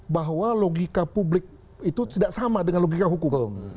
bahwa logika publik itu tidak sama dengan logika hukum